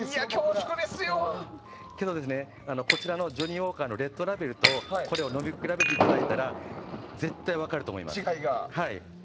けど、ジョニーウォーカーのレッドラベルとこれを飲み比べていただいたら絶対に分かると思います。